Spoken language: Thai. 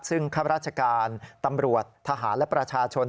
ซึ่งข้าราชการตำรวจทหารและประชาชน